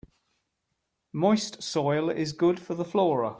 Moist soil is good for the flora.